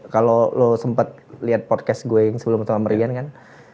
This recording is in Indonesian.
kalau lo sempet liat podcast gue yang sebelumnya sama merian kan